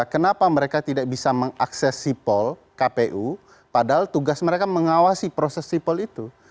kenapa mereka tidak bisa mengakses sipol kpu padahal tugas mereka mengawasi proses sipol itu